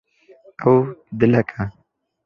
Ew dilek e.